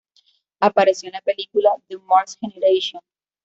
Apareció en la película "The Mars Generation".